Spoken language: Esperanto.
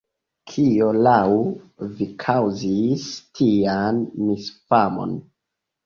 Kio laŭ vi kaŭzis tian misfamon?